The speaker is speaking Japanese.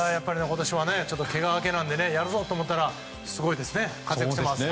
今年は、けが明けなのでやるぞと思ったらすごいですね、活躍してます。